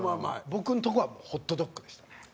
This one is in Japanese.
僕のとこはホットドッグでしたね。